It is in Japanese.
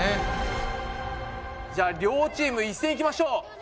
じゃあ両チーム一斉にいきましょう。